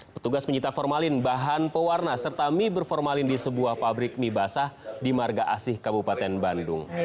petugas menyita formalin bahan pewarna serta mie berformalin di sebuah pabrik mie basah di marga asih kabupaten bandung